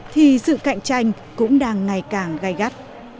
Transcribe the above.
thì sự cạnh tranh cũng đang ngày càng gai gắt